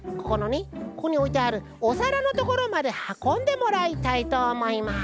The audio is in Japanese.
ここにおいてあるおさらのところまではこんでもらいたいとおもいます。